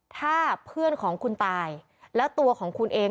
ถ้าเพื่อนของคุณตายแล้วตัวของคุณเอง